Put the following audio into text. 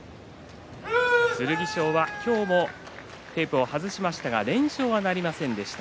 剣翔は今日もテープを外しましたが連勝は、なりませんでした。